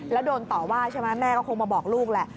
แล้วโดนต่อว่าใช่ไหมแม่ก็คงมาบอกลูกแหละ